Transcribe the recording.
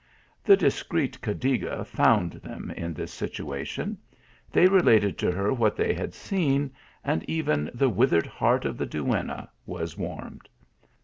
The discreet Cadiga found them in this situation; TEHEE BEAUTIFUL PRINCESSES. 187 they related to her what they had seen, and even the withered heart of the duenna was warmed.